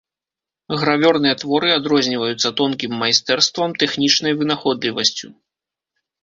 Гравёрныя творы адрозніваюцца тонкім майстэрствам, тэхнічнай вынаходлівасцю.